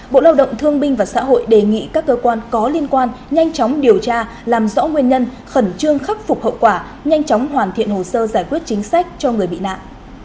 bộ lao động thương binh và xã hội đề nghị các cơ quan có liên quan nhanh chóng điều tra làm rõ nguyên nhân khẩn trương khắc phục hậu quả nhanh chóng hoàn thiện hồ sơ giải quyết chính sách cho người bị nạn